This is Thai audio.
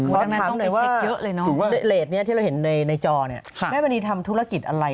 ความถามหน่อยว่าเรทเนี่ยที่เราเห็นในจอเนี่ยแม่มะนี่ทำธุรกิจอะไร